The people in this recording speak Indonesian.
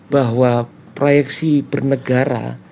bahwa proyeksi bernegara